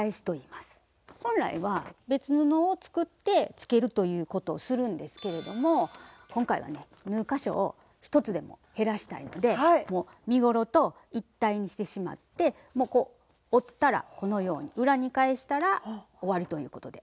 本来は別布を作ってつけるということをするんですけれども今回はね縫う箇所を一つでも減らしたいのでもう身ごろと一体にしてしまってもう折ったらこのように裏に返したら終わりということで。